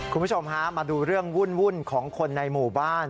คุณผู้ชมฮะมาดูเรื่องวุ่นของคนในหมู่บ้าน